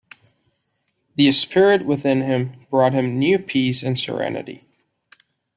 The spirit within him brought him new peace and serenity.